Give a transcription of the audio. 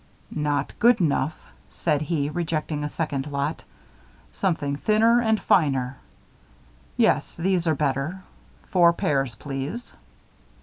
"Not good enough," said he, rejecting a second lot. "Something thinner and finer. Yes, these are better. Four pairs, please.